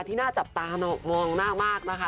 ที่น่าจับตามองหน้ามากนะคะ